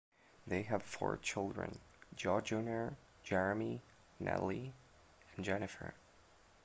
They have four children: Joe Junior Jeremy, Natalie and Jennifer.